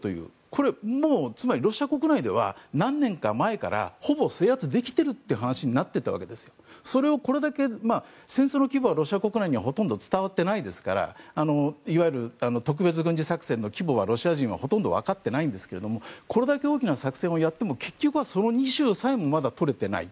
これはつまりロシア国内では何年か前からほぼ制圧できているという話になっているのを戦争の規模はロシア国内にはほとんど伝わっていないですからいわゆる特別軍事作戦の規模はロシア人はほとんどわかってないんですがこれだけ大きな作戦をやっても結局はその２州さえもまだ取れていない。